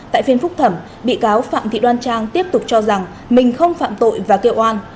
tại phiên phúc thẩm bị cáo phạm thị đoan trang tiếp tục cho rằng mình không phạm tội và kêu an